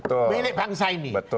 tapi kalau untuk garuda tidak punya klub